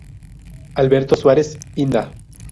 Alberto Suárez Inda.